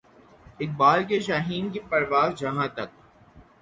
اقبال کے شاھین کی پرواز جہاں تک